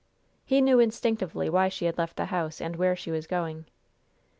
He knew instinctively why she had left the house and where she was going.